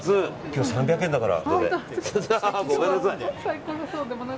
今日、３００円だから。